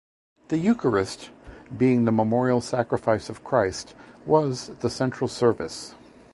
The Eucharist, being the memorial sacrifice of Christ, was the central service.